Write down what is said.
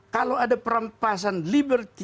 kalau ada perampasan liberty